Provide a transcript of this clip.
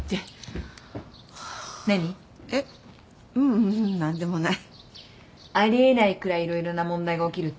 ううん何でもない。あり得ないくらい色々な問題が起きるって？